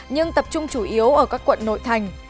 nhưng tập trung chủ yếu ở các quận nội thành